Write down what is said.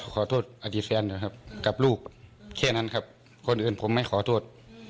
ขอโทษอดีตแฟนนะครับกับลูกแค่นั้นครับคนอื่นผมไม่ขอโทษ